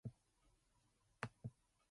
Mal accepts to keep Wash from breaking.